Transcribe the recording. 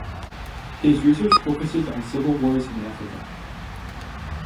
His research focuses on civil wars in Africa.